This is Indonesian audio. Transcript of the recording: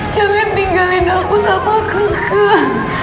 jangan tinggalin aku sama kakak